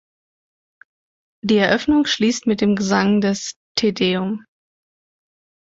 Die Eröffnung schließt mit dem Gesang des "Te Deum".